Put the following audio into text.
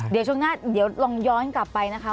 เดี๋ยวช่วงหน้าเดี๋ยวลองย้อนกลับไปนะคะ